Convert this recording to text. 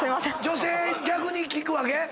女性逆に聞くわけ？